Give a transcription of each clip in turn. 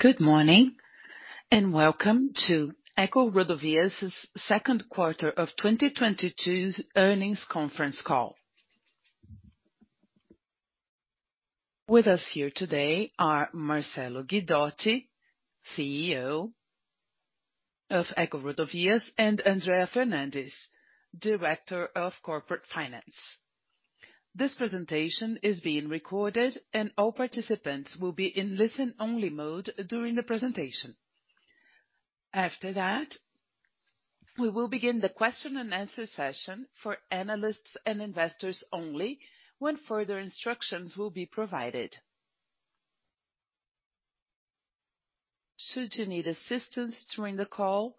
Good morning, and welcome to EcoRodovias' second quarter of 2022's earnings conference call. With us here today are Marcello Guidotti, CEO of EcoRodovias, and Andrea Fernandes, Director of Corporate Finance. This presentation is being recorded and all participants will be in listen-only mode during the presentation. After that, we will begin the question and answer session for analysts and investors only, when further instructions will be provided. Should you need assistance during the call,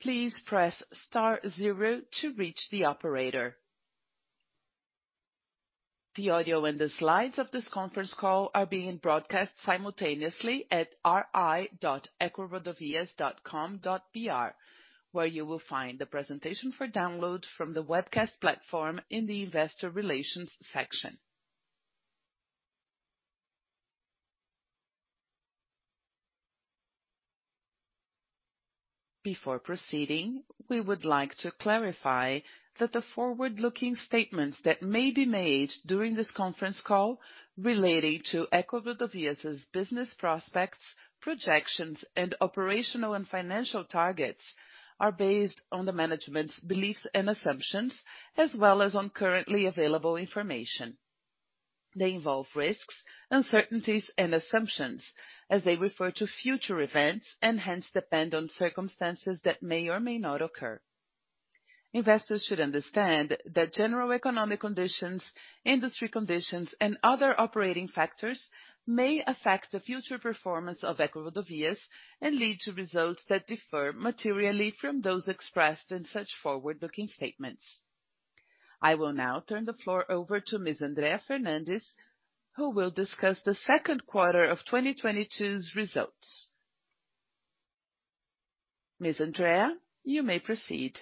please press star zero to reach the operator. The audio and the slides of this conference call are being broadcast simultaneously at ri.ecorodovias.com.br, where you will find the presentation for download from the webcast platform in the investor relations section. Before proceeding, we would like to clarify that the forward-looking statements that may be made during this conference call relating to EcoRodovias' business prospects, projections, and operational and financial targets are based on the management's beliefs and assumptions as well as on currently available information. They involve risks, uncertainties and assumptions as they refer to future events, and hence depend on circumstances that may or may not occur. Investors should understand that general economic conditions, industry conditions, and other operating factors may affect the future performance of EcoRodovias and lead to results that differ materially from those expressed in such forward-looking statements. I will now turn the floor over to Ms. Andrea Fernandes, who will discuss the second quarter of 2022's results. Ms. Andrea, you may proceed.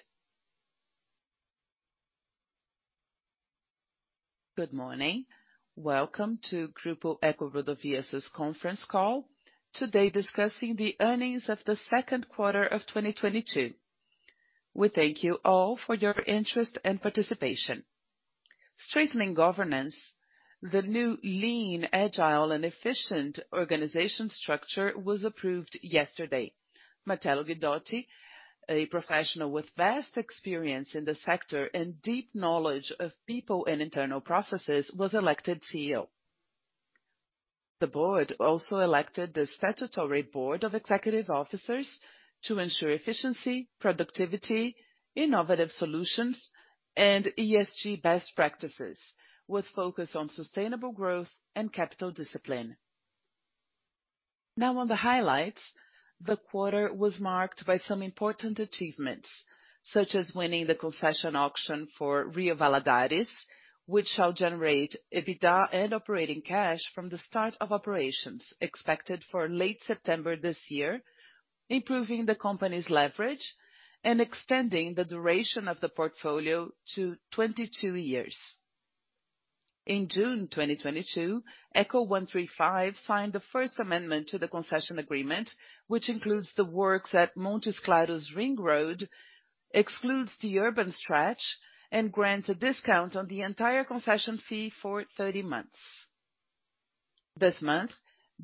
Good morning. Welcome to Grupo EcoRodovias' conference call, today discussing the earnings of the second quarter of 2022. We thank you all for your interest and participation. Strengthening governance, the new lean, agile, and efficient organization structure was approved yesterday. Marcello Guidotti, a professional with vast experience in the sector and deep knowledge of people and internal processes, was elected CEO. The board also elected the statutory board of executive officers to ensure efficiency, productivity, innovative solutions, and ESG best practices, with focus on sustainable growth and capital discipline. Now on the highlights. The quarter was marked by some important achievements, such as winning the concession auction for Rio Valadares, which shall generate EBITDA and operating cash from the start of operations expected for late September this year, improving the company's leverage and extending the duration of the portfolio to 22 years. In June 2022, ECO135 signed the first amendment to the concession agreement, which includes the works at Montes Claros ring road, excludes the urban stretch, and grants a discount on the entire concession fee for 30 months. This month,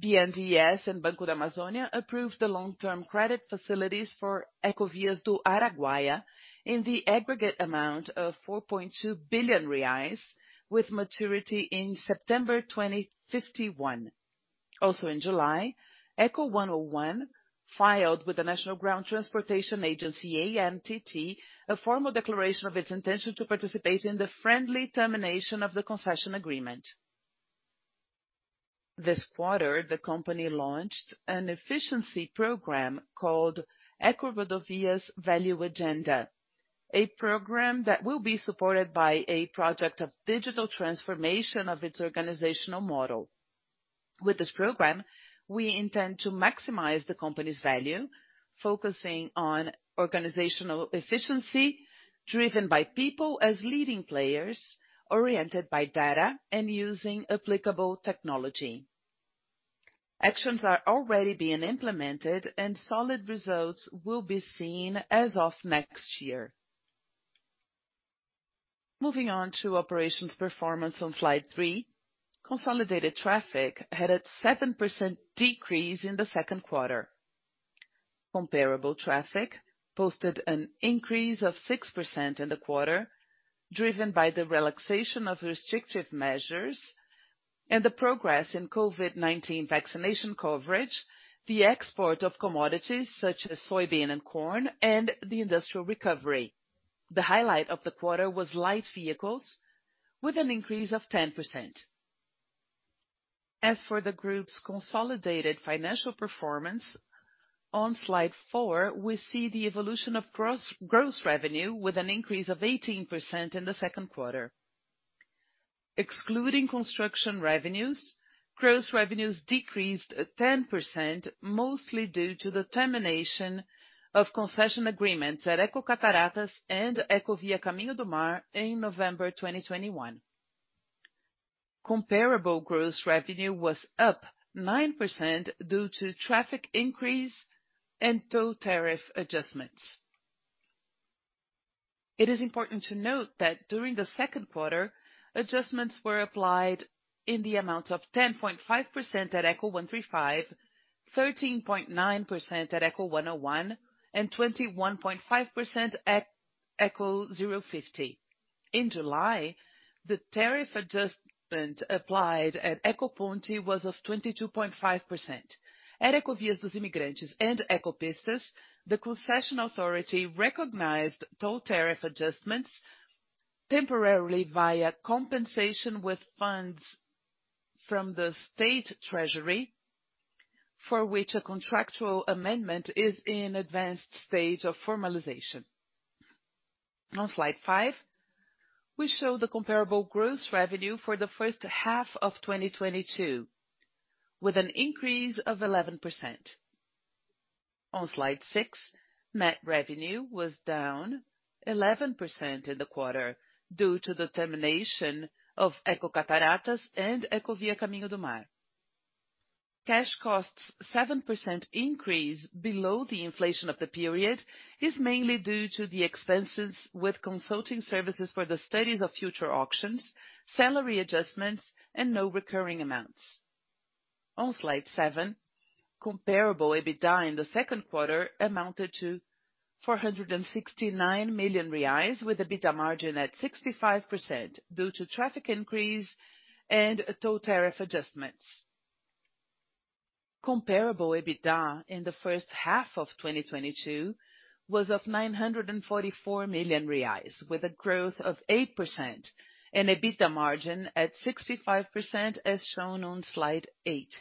BNDES and Banco da Amazônia approved the long-term credit facilities for Ecovias do Araguaia in the aggregate amount of 4.2 billion reais, with maturity in September 2051. Also in July, ECO101 filed with the National Ground Transportation Agency, ANTT, a formal declaration of its intention to participate in the friendly termination of the concession agreement. This quarter, the company launched an efficiency program called EcoRodovias Value Agenda, a program that will be supported by a project of digital transformation of its organizational model. With this program, we intend to maximize the company's value, focusing on organizational efficiency driven by people as leading players, oriented by data and using applicable technology. Actions are already being implemented and solid results will be seen as of next year. Moving on to operations performance on slide three, consolidated traffic had a 7% decrease in the second quarter. Comparable traffic posted an increase of 6% in the quarter, driven by the relaxation of restrictive measures and the progress in COVID-19 vaccination coverage, the export of commodities such as soybean and corn, and the industrial recovery. The highlight of the quarter was light vehicles with an increase of 10%. As for the group's consolidated financial performance, on slide four, we see the evolution of gross revenue with an increase of 18% in the second quarter. Excluding construction revenues, gross revenues decreased 10% mostly due to the termination of concession agreements at Ecocataratas and Ecovia Caminho do Mar in November 2021. Comparable gross revenue was up 9% due to traffic increase and toll tariff adjustments. It is important to note that during the second quarter, adjustments were applied in the amount of 10.5% at ECO135, 13.9% at Eco101, and 21.5% at ECO050. In July, the tariff adjustment applied at Ecoponte was 22.5%. At Ecovias dos Imigrantes and Ecopistas, the concession authority recognized toll tariff adjustments temporarily via compensation with funds from the state treasury, for which a contractual amendment is in advanced state of formalization. On slide five, we show the comparable gross revenue for the first half of 2022, with an increase of 11%. On slide six, net revenue was down 11% in the quarter due to the termination of Ecocataratas and Ecovia Caminho do Mar. Cash costs 7% increase below the inflation of the period is mainly due to the expenses with consulting services for the studies of future auctions, salary adjustments, and non-recurring amounts. On slide seven, comparable EBITDA in the second quarter amounted to 469 million reais, with EBITDA margin at 65% due to traffic increase and toll tariff adjustments. Comparable EBITDA in the first half of 2022 was of 944 million reais, with a growth of 8% and EBITDA margin at 65% as shown on slide eight.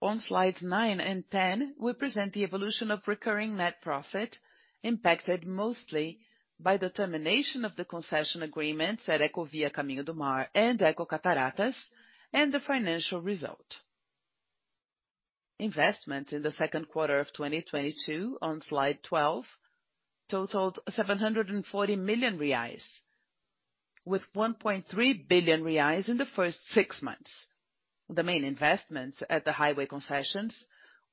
On slides nine and 10, we present the evolution of recurring net profit impacted mostly by the termination of the concession agreements at Ecovia Caminho do Mar and Ecocataratas and the financial result. Investments in the second quarter of 2022 on slide 12 totaled 740 million reais, with 1.3 billion reais in the first six months. The main investments at the highway concessions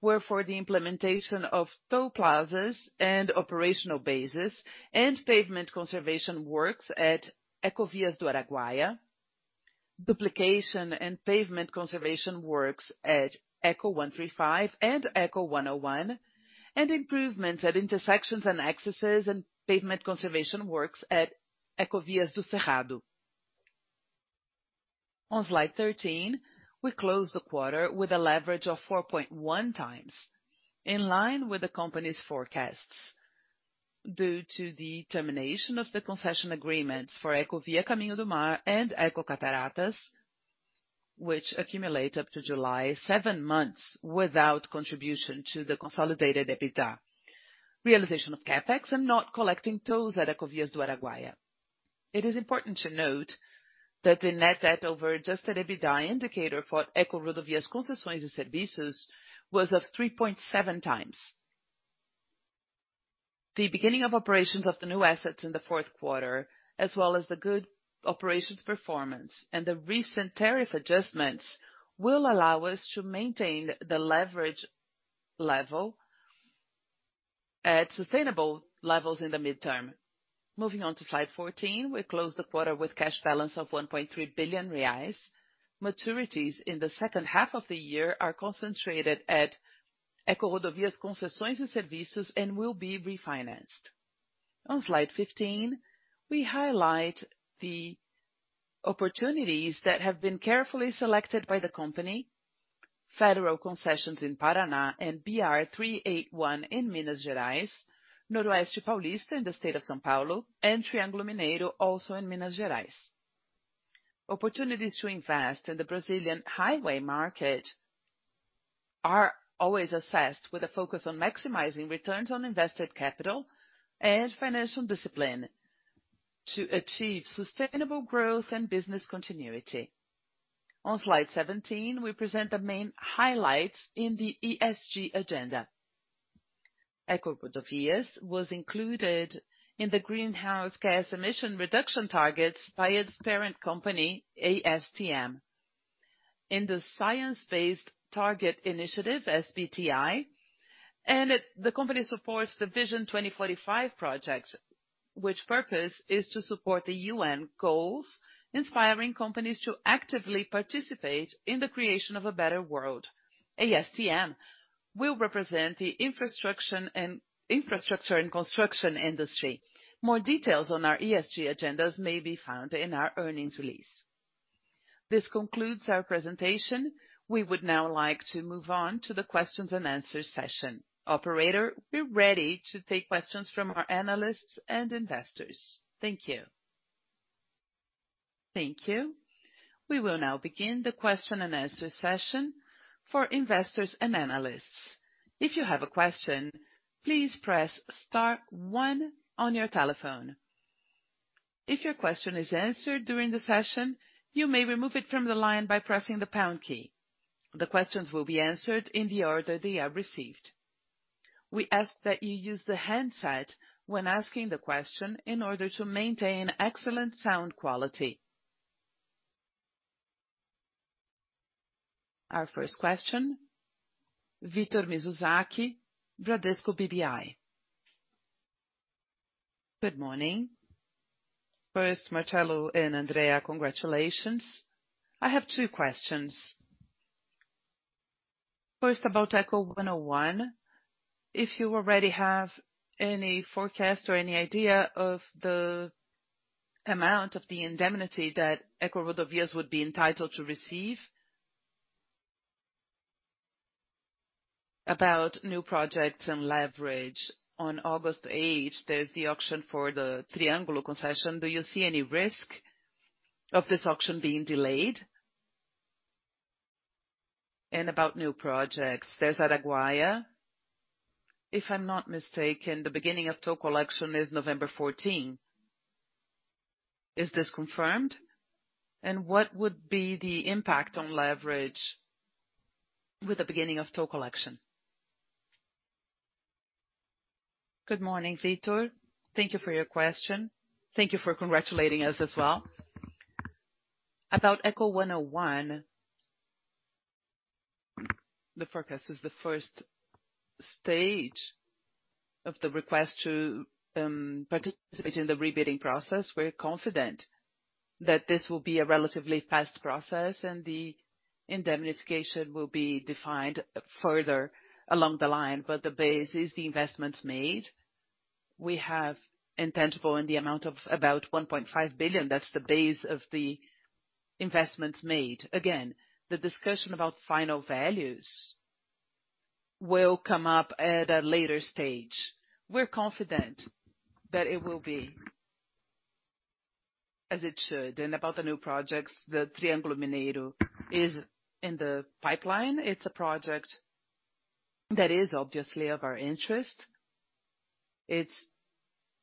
were for the implementation of toll plazas and operational bases and pavement conservation works at Ecovias do Araguaia, duplication and pavement conservation works at ECO135 and ECO101, and improvements at intersections and accesses and pavement conservation works at Ecovias do Cerrado. On slide 13, we closed the quarter with a leverage of 4.1x, in line with the company's forecasts due to the termination of the concession agreements for Ecovia Caminho do Mar and Ecocataratas, which accumulate up to July, seven months without contribution to the consolidated EBITDA, realization of CapEx and not collecting tolls at Ecovias do Araguaia. It is important to note that the net debt over adjusted EBITDA indicator for EcoRodovias Concessões e Serviços was of 3.7x. The beginning of operations of the new assets in the fourth quarter, as well as the good operations performance and the recent tariff adjustments will allow us to maintain the leverage level at sustainable levels in the midterm. Moving on to slide 14, we closed the quarter with cash balance of 1.3 billion reais. Maturities in the second half of the year are concentrated at EcoRodovias Concessões e Serviços and will be refinanced. On slide 15, we highlight the opportunities that have been carefully selected by the company, federal concessions in Paraná and BR-381 in Minas Gerais, Noroeste Paulista in the state of São Paulo, and Triângulo Mineiro, also in Minas Gerais. Opportunities to invest in the Brazilian highway market are always assessed with a focus on maximizing returns on invested capital and financial discipline to achieve sustainable growth and business continuity. On slide 17, we present the main highlights in the ESG agenda. EcoRodovias was included in the greenhouse gas emission reduction targets by its parent company, ASTM, in the Science Based Targets initiative, SBTi, and the company supports the Vision 2045 project, whose purpose is to support the UN goals, inspiring companies to actively participate in the creation of a better world. ASTM will represent the infrastructure and construction industry. More details on our ESG agendas may be found in our earnings release. This concludes our presentation. We would now like to move on to the questions and answers session. Operator, we're ready to take questions from our analysts and investors. Thank you. Thank you. We will now begin the question and answer session for investors and analysts. If you have a question, please press star one on your telephone. If your question is answered during the session, you may remove it from the line by pressing the pound key. The questions will be answered in the order they are received. We ask that you use the handset when asking the question in order to maintain excellent sound quality. Our first question, Victor Mizusaki, Bradesco BBI. Good morning. First, Marcello and Andrea, congratulations. I have two questions. First, about Eco101, if you already have any forecast or any idea of the amount of the indemnity that EcoRodovias would be entitled to receive. About new projects and leverage, on August 8, there's the auction for the Triângulo concession. Do you see any risk of this auction being delayed? About new projects, there's Araguaia. If I'm not mistaken, the beginning of toll collection is November 14. Is this confirmed? What would be the impact on leverage with the beginning of toll collection? Good morning, Victor. Thank you for your question. Thank you for congratulating us as well. About Eco101, the forecast is the first stage of the request to participate in the rebidding process. We're confident that this will be a relatively fast process, and the indemnification will be defined further along the line, but the base is the investments made. We have intangible in the amount of about 1.5 billion. That's the base of the investments made. Again, the discussion about final values will come up at a later stage. We're confident that it will be as it should. About the new projects, the Triângulo Mineiro is in the pipeline. It's a project that is obviously of our interest. It's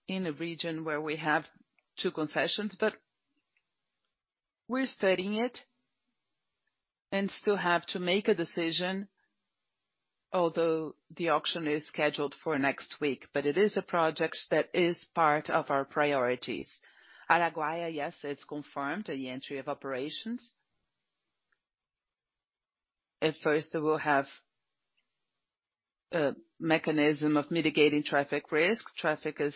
in a region where we have two concessions, but we're studying it and still have to make a decision, although the auction is scheduled for next week. It is a project that is part of our priorities. Araguaia, yes, it's confirmed, the entry of operations. At first, we'll have a mechanism of mitigating traffic risk. Traffic is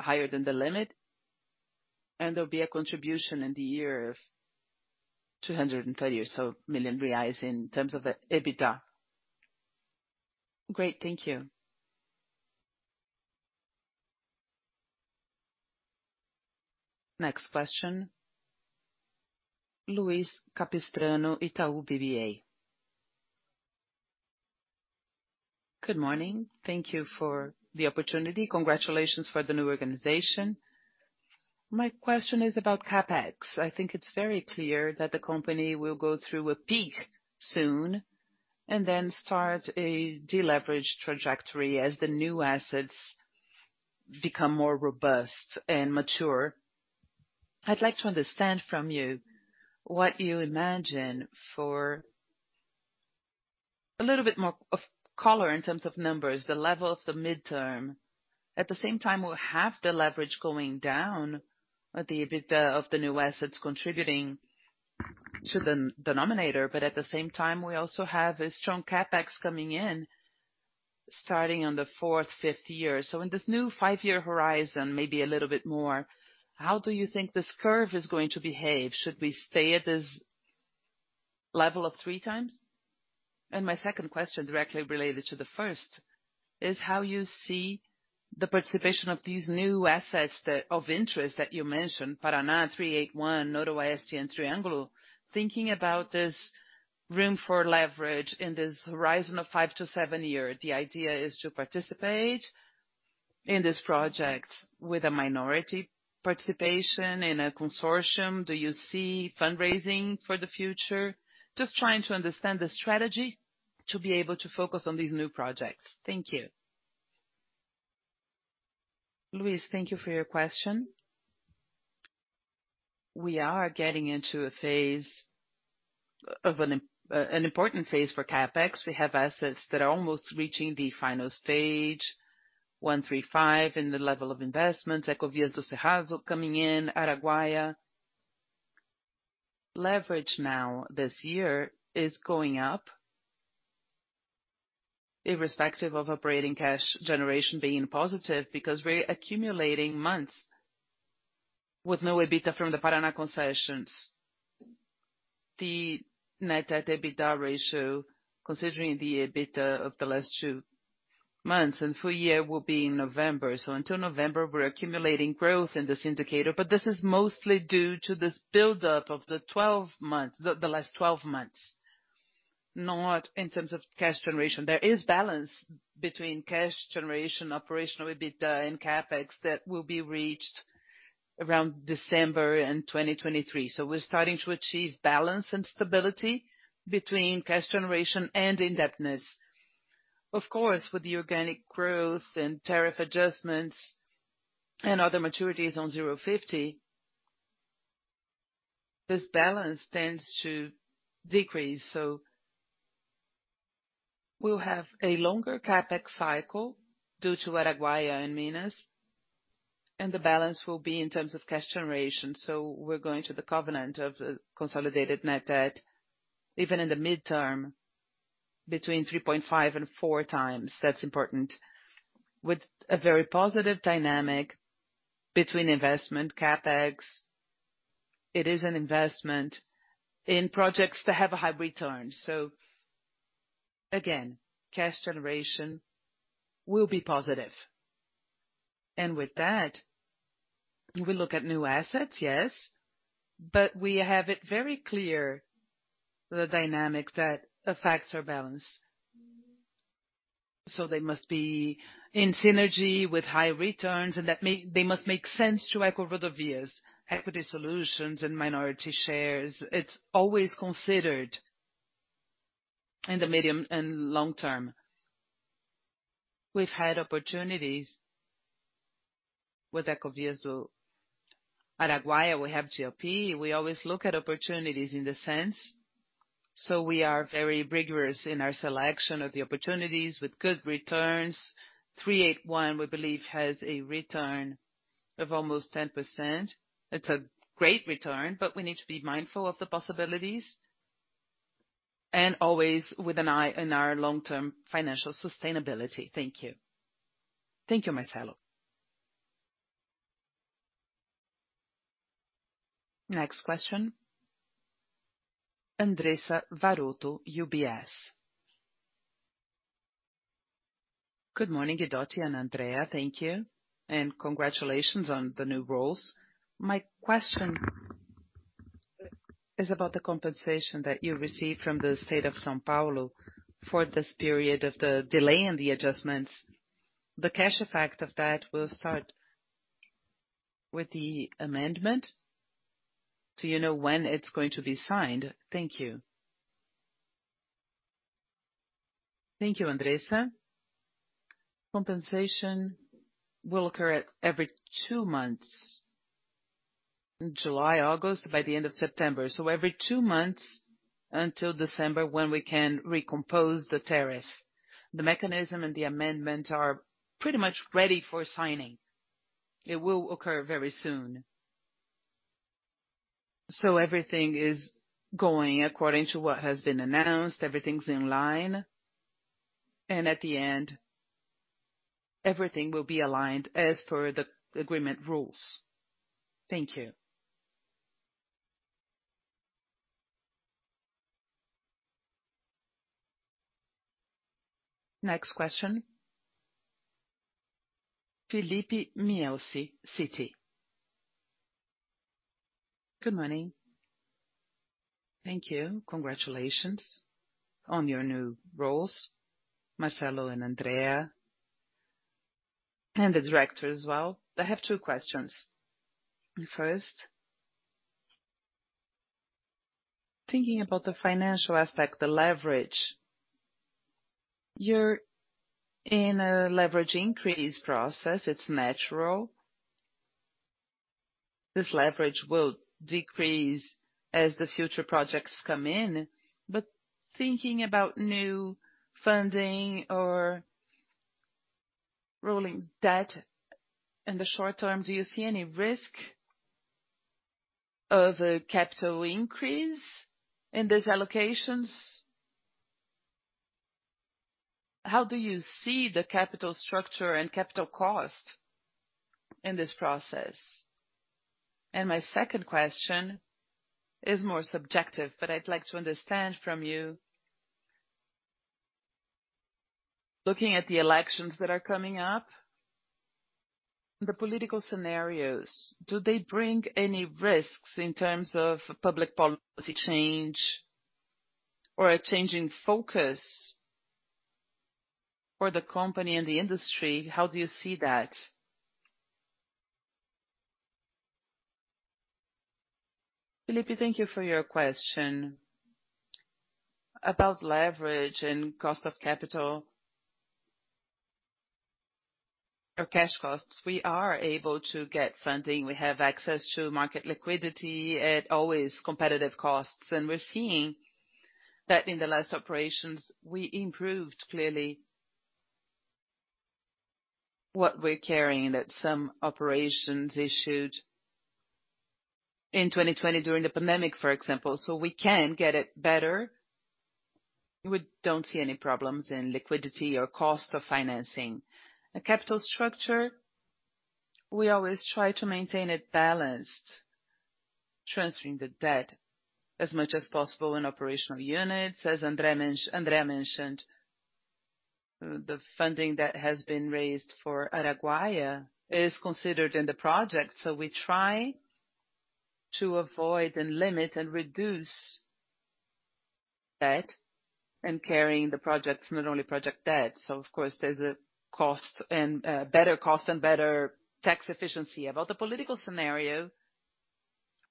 higher than the limit, and there'll be a contribution in the year of 230 million or so in terms of the EBITDA. Great. Thank you. Next question, Luiz Capistrano, Itaú BBA. Good morning. Thank you for the opportunity. Congratulations for the new organization. My question is about CapEx. I think it's very clear that the company will go through a peak soon and then start a deleverage trajectory as the new assets become more robust and mature. I'd like to understand from you what you imagine for a little bit more of color in terms of numbers, the level of the midterm. At the same time, we'll have the leverage going down with the EBITDA of the new assets contributing to the denominator, but at the same time, we also have a strong CapEx coming in starting on the fourth, fifth year. In this new five-year horizon, maybe a little bit more, how do you think this curve is going to behave? Should we stay at this level of 3x? My second question, directly related to the first, is how you see the participation of these new assets of interest that you mentioned, Paraná 381, Noroeste and Triângulo. Thinking about this room for leverage in this horizon of five-seven years, the idea is to participate in this project with a minority participation in a consortium. Do you see fundraising for the future? Just trying to understand the strategy to be able to focus on these new projects. Thank you. Luiz, thank you for your question. We are getting into a phase of an important phase for CapEx. We have assets that are almost reaching the final stage, 135 in the level of investments, Ecovias do Cerrado coming in, Araguaia. Leverage now this year is going up irrespective of operating cash generation being positive because we're accumulating months with no EBITDA from the Paraná concessions. The net debt-EBITDA ratio, considering the EBITDA of the last two months and full year, will be in November. Until November, we're accumulating growth in this indicator, but this is mostly due to this buildup of the last 12 months, not in terms of cash generation. There is balance between cash generation, operational EBITDA and CapEx that will be reached around December in 2023. We're starting to achieve balance and stability between cash generation and indebtedness. Of course, with the organic growth and tariff adjustments and other maturities on ECO050. This balance tends to decrease, so we'll have a longer CapEx cycle due to Araguaia and Minas, and the balance will be in terms of cash generation. We're going to the covenant of consolidated net debt, even in the midterm, between 3.5x-4x. That's important. With a very positive dynamic between investment CapEx, it is an investment in projects that have a high return. Again, cash generation will be positive. With that, we will look at new assets, yes, but we have it very clear the dynamic that affects our balance. They must be in synergy with high returns and they must make sense to EcoRodovias. Equity solutions and minority shares, it's always considered in the medium and long term. We've had opportunities with Ecovias do Araguaia, we have GLP. We always look at opportunities in the sense. We are very rigorous in our selection of the opportunities with good returns. BR-381, we believe has a return of almost 10%. It's a great return, but we need to be mindful of the possibilities. Always with an eye on our long-term financial sustainability. Thank you. Thank you, Marcello. Next question, Andressa Varotto, UBS. Good morning, Guidotti and Andrea. Thank you. Congratulations on the new roles. My question is about the compensation that you received from the State of São Paulo for this period of the delay and the adjustments. The cash effect of that will start with the amendment. Do you know when it's going to be signed? Thank you. Thank you, Andressa. Compensation will occur every two months. In July, August, by the end of September. Every two months until December, when we can recompose the tariff. The mechanism and the amendment are pretty much ready for signing. It will occur very soon. Everything is going according to what has been announced. Everything's in line. At the end, everything will be aligned as per the agreement rules. Thank you. Next question, Felipe Nielsen, Citi. Good morning. Thank you. Congratulations on your new roles, Marcello and Andrea, and the director as well. I have two questions. The first, thinking about the financial aspect, the leverage, you're in a leverage increase process. It's natural. This leverage will decrease as the future projects come in. Thinking about new funding or rolling debt in the short term, do you see any risk of a capital increase in these allocations? How do you see the capital structure and capital cost in this process? My second question is more subjective, but I'd like to understand from you. Looking at the elections that are coming up, the political scenarios, do they bring any risks in terms of public policy change or a change in focus for the company and the industry? How do you see that? Felipe, thank you for your question. About leverage and cost of capital or cash costs, we are able to get funding. We have access to market liquidity at always competitive costs. We're seeing that in the last operations, we improved clearly what we're carrying, that some operations issued in 2020 during the pandemic, for example. We can get it better. We don't see any problems in liquidity or cost of financing. Our capital structure, we always try to maintain it balanced, transferring the debt as much as possible to operational units. As Andrea mentioned, the funding that has been raised for Araguaia is considered in the project. We try to avoid and limit and reduce debt and carrying the projects, not only project debt. Of course, there's a cost and better cost and better tax efficiency. About the political scenario,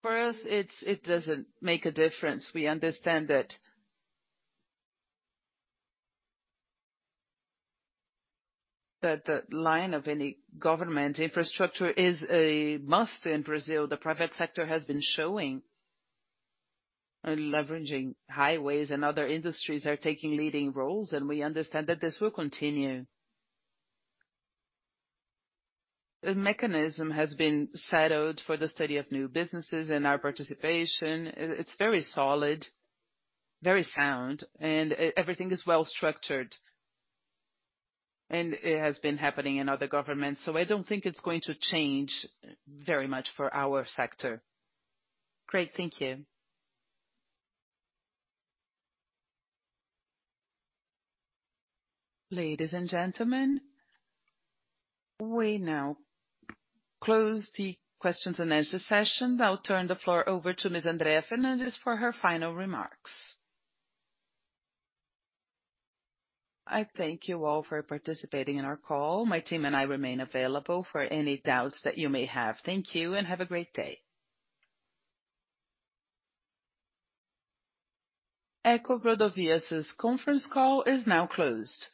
for us, it doesn't make a difference. We understand that the line of any government infrastructure is a must in Brazil. The private sector has been showing and leveraging highways and other industries are taking leading roles, and we understand that this will continue. The mechanism has been settled for the study of new businesses and our participation. It's very solid, very sound, and everything is well-structured, and it has been happening in other governments. I don't think it's going to change very much for our sector. Great. Thank you. Ladies and gentlemen, we now close the questions and answer session. I'll turn the floor over to Ms. Andrea Fernandes for her final remarks. I thank you all for participating in our call. My team and I remain available for any doubts that you may have. Thank you and have a great day. EcoRodovias' conference call is now closed.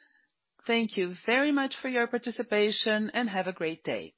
Thank you very much for your participation and have a great day.